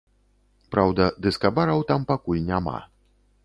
Праўда, дыска-бараў там пакуль няма.